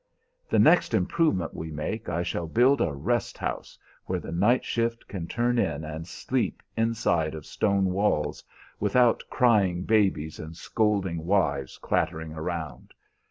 The next improvement we make I shall build a rest house where the night shift can turn in and sleep inside of stone walls, without crying babies and scolding wives clattering around.